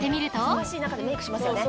忙しい中でメークしますよね。